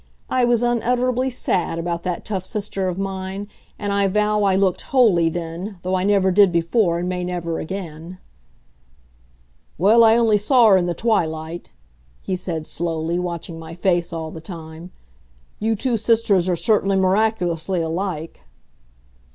I was unutterably sad about that tough sister of mine, and I vow I looked holy then, though I never did before and may never again. "Well, I only saw her in the twilight," he said slowly, watching my face all the time. "You two sisters are certainly miraculously alike."